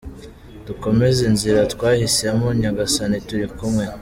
Dukomeze inzira twahise mo, Nyagasani turi kumwe.